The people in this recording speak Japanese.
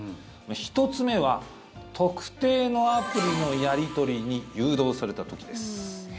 １つ目は特定のアプリのやり取りに誘導された時です。